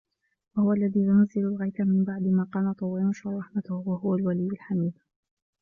وَهُوَ الَّذي يُنَزِّلُ الغَيثَ مِن بَعدِ ما قَنَطوا وَيَنشُرُ رَحمَتَهُ وَهُوَ الوَلِيُّ الحَميدُ